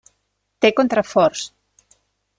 Té contraforts.